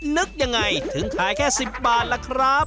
นึกยังไงถึงขายแค่๑๐บาทล่ะครับ